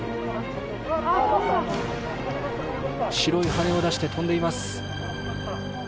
白い羽を出して飛んでいます。